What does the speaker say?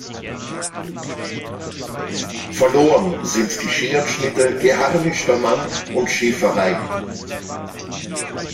Verloren sind die Scherenschnitte „Geharnischter Mann“ und „Schäferei“.